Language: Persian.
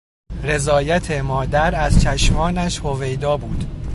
رضایت مادر از چشمانش هویدا بود.